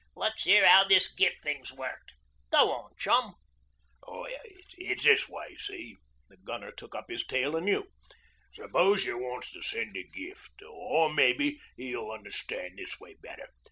'Let's 'ear 'ow this Gift thing's worked. Go on, chum.' 'It's this way, see,' the Gunner took up his tale anew. 'S'pose you wants to send a gift ... or mebbe you'll unnerstan' this way better.